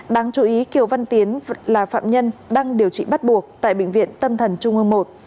đáng chú ý kiều văn tiến là phạm nhân đang điều trị bắt buộc tại bệnh viện tâm thần trung ương một